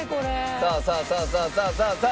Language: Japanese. さあさあさあさあさあ！